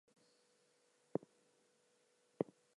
They ploughed their fields when the constellation set at sunrise.